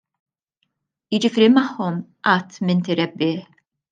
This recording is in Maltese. Jiġifieri magħhom, qatt m'inti rebbieħ.